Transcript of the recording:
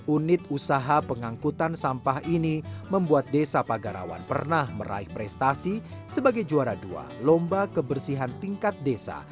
unit usaha pengangkutan sampah ini membuat desa pagarawan pernah meraih prestasi sebagai juara dua lomba kebersihan tingkat desa